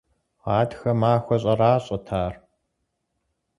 Гъатхэ махуэ щӏэращӏэт ар.